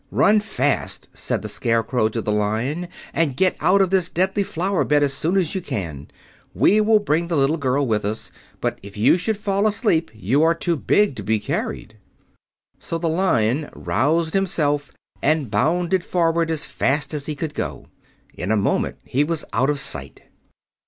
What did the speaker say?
"Run fast," said the Scarecrow to the Lion, "and get out of this deadly flower bed as soon as you can. We will bring the little girl with us, but if you should fall asleep you are too big to be carried." So the Lion aroused himself and bounded forward as fast as he could go. In a moment he was out of sight.